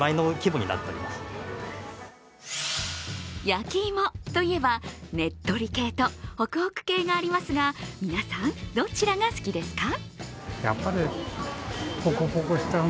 焼き芋といえば、ねっとり系とホクホク系がありますが、皆さん、どちらが好きですか？